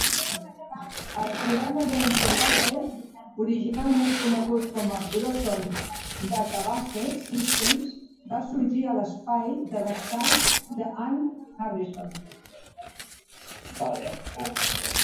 El programa de InterBase, originalment conegut com Groton Database Systems, va sorgir a l'espai de descans d'Ann Harrison.